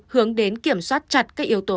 hướng đến kiểm soát chặt các yếu tố